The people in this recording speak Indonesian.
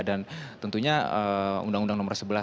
dan tentunya undang undang nomor sepeda